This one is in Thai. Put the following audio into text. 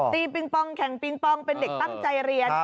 ปิงปองแข่งปิงปองเป็นเด็กตั้งใจเรียน